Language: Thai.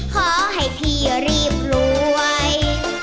ขอให้พี่รีบรวย